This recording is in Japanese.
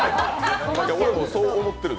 俺もそう思ってる。